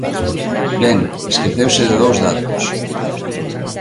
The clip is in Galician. Ben, esqueceuse de dous datos.